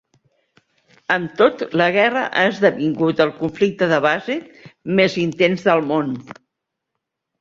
Amb tot, la guerra ha esdevingut el conflicte de base més intens del món.